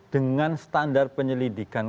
dengan standar penyelidikan